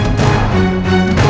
aku sudah berhenti